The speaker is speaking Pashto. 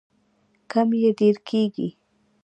کم یې ډیر کیږي.